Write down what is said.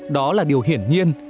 đó là điều hiển nhiên